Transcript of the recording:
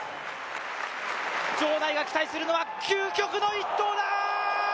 場内が期待するのは究極の１投だ！